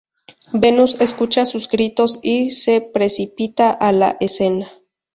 Venus escucha sus gritos y se precipita a la escena.